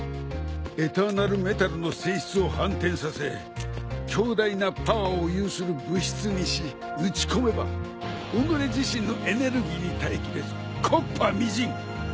エターナルメタルの性質を反転させ強大なパワーを有する物質にし撃ち込めば己自身のエネルギーに耐えきれず木っ端みじん。